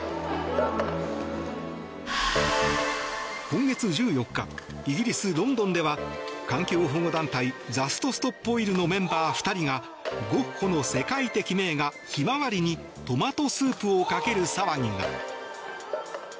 今月１４日イギリス・ロンドンでは環境保護団体ジャスト・ストップ・オイルのメンバー２人がゴッホの世界的名画「ひまわり」にトマトスープをかける騒ぎが。